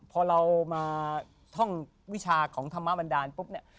พอเรามาท่องวิชาของธรรมบันดาลปุ๊บเนี่ย